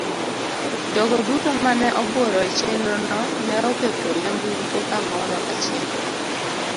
Jogo duto ma ne obworo e chenro no ne oketo nyamburko kamoro achiel.